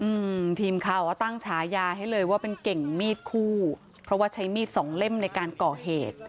อืมทีมข่าวก็ตั้งฉายาให้เลยว่าเป็นเก่งมีดคู่เพราะว่าใช้มีดสองเล่มในการก่อเหตุ